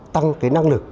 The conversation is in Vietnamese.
tăng cái năng lực